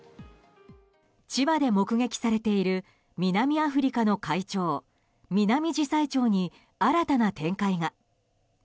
千葉で目撃されている南アフリカの怪鳥ミナミジサイチョウに新たな展開が。